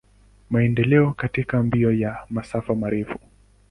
Maendeleo katika mbio ya masafa marefu.